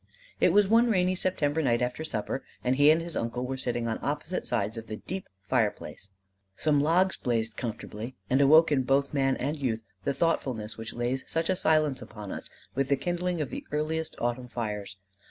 It was one rainy September night after supper, and he and his uncle were sitting on opposite sides of the deep fireplace. Some logs blazed comfortably, and awoke in both man and youth the thoughtfulness which lays such a silence upon us with the kindling of the earliest Autumn fires.